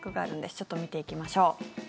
ちょっと見ていきましょう。